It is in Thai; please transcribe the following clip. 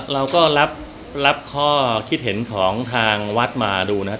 เราก็รับข้อคิดเห็นของทางวัดมาดูนะครับ